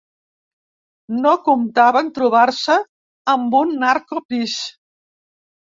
No comptaven trobar-se amb un narcopís.